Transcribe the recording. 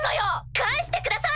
返してください！